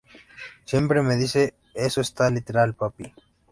Siempre me dice ‘Eso está literal, papi.